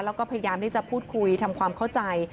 แล้วก็พยายามที่จะพูดคุยทำความเข้าใจ